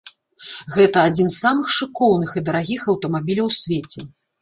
Гэта адзін з самых шыкоўных і дарагіх аўтамабіляў у свеце.